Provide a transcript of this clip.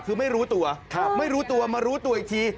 คือไม่รู้ตัวไม่รู้ตัวมารู้ตัวอีกที